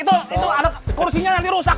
itu kursinya nanti rusak